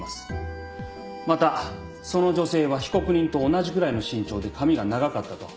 またその女性は被告人と同じぐらいの身長で髪が長かったと。